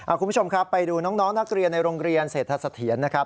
คุณผู้ชมครับไปดูน้องนักเรียนในโรงเรียนเศรษฐสะเทียนนะครับ